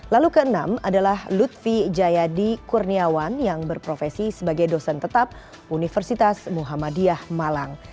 lalu keenam adalah lutfi jayadi kurniawan yang berprofesi sebagai dosen tetap universitas muhammadiyah malang